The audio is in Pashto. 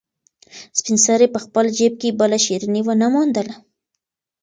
سپین سرې په خپل جېب کې بله شيرني ونه موندله.